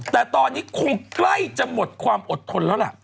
แต่ตอนนี้คงใกล้จะหมดความอดทนแล้วล่ะ